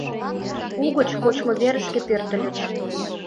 Угыч кочмыверышке пӧртыльыч.